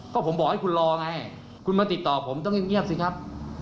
ก็ผมบอกให้คุณรอไงคุณมาติดต่อผมต้องเงียบสิครับ